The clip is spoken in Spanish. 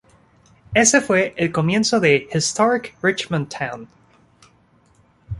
Ese fue el comienzo de Historic Richmond Town.